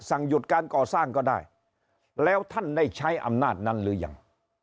หยุดการก่อสร้างก็ได้แล้วท่านได้ใช้อำนาจนั้นหรือยัง